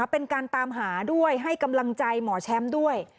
เป็นการตามหาด้วยให้กำลังใจหมอแชมป์ด้วย